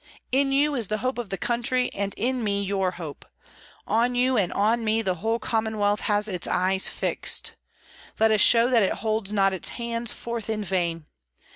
In you is the hope of the country, and in me your hope; on you and on me the whole Commonwealth has its eyes fixed! Let us show that it holds not its hands forth in vain.